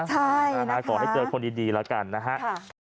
ใช่นะคะขอให้เจอคนดีแล้วกันนะคะค่ะค่ะ